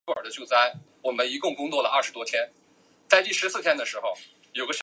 避风塘是中华餐饮名店也是上海市著名商标。